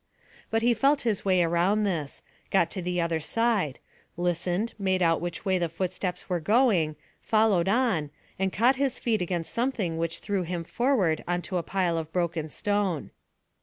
But he felt his way round this, got to the other side, listened, made out which way the footsteps were going, followed on, and caught his feet against something which threw him forward on to a pile of broken stone.